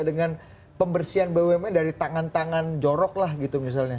dengan pembersihan bumn dari tangan tangan jorok lah gitu misalnya